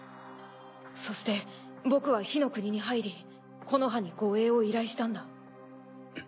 そして僕は火の国に入り木ノ葉に護衛を依頼したんだ。